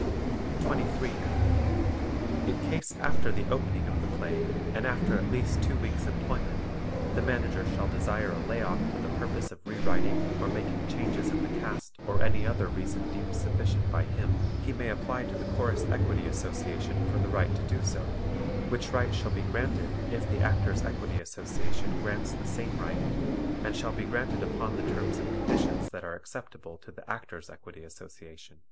23. In case after the opening of the play and after at least two weeks' employment the Manager shall desire a lay off for the purpose of re writing or making changes in the cast or any other reason deemed sufficient by him, he may apply to the Chorus Equity Association for the right to do so, which right shall be granted if the Actors' Equity Association grants the same right, and shall be granted upon the terms and conditions that are acceptable to the Actors' Equity Association.